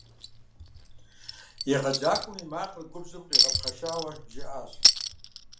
Егъэджакӏуэм и макъыр губжьым къигъэпхъэшауэ жиӏащ.